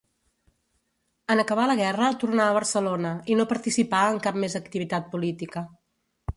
En acabar la guerra tornà a Barcelona i no participà en cap més activitat política.